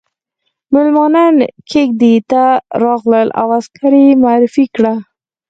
ميلمانه کېږدۍ ته راغلل او عسکره يې معرفي کړه.